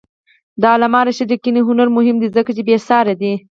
د علامه رشاد لیکنی هنر مهم دی ځکه چې بېسارې دی.